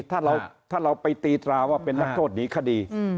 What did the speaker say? ถ้าเราไปตีตราว่าเป็นนักโทษหนีคดี